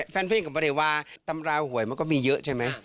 แฟนเพลงก็ไม่ได้ว่าตำราหวยมันก็มีเยอะใช่ไหม